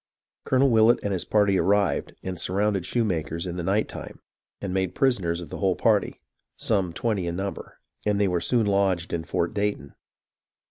Colonel VVillett and his party arrived, and surrounded Shoemaker's in the night time, and made prisoners of the whole party, some twenty in number, and they were soon lodged in Fort Dayton.